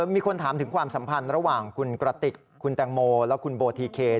มีคนถามถึงความสัมพันธ์ระหว่างคุณกระติกคุณแตงโมและคุณโบทีเคน